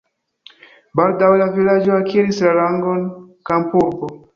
Baldaŭe la vilaĝo akiris la rangon kampurbo.